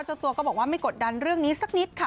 เจ้าตัวก็บอกว่าไม่กดดันเรื่องนี้สักนิดค่ะ